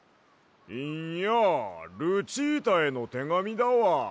いんやルチータへのてがみだわ。